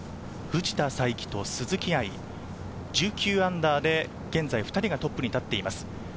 藤田さいきと鈴木愛、−１９で現在２人がトップに立っています。